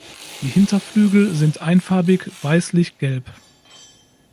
Die Hinterflügel sind einfarbig weißlichgelb.